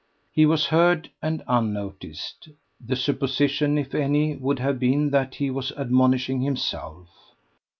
He was heard and unnoticed. The supposition, if any, would have been that he was admonishing himself.